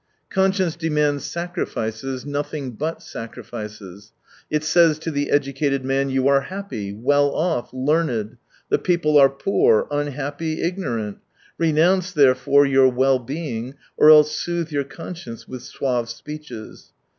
Conscience demands sacrifices, nothing but sacrifices. It says to the educated man :" You are happy, well off, learned — the people are poor, un happy, ignorant ; renounce therefore your well being, or else soothe your conscience with suave speeches."